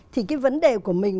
thì cái vấn đề của mình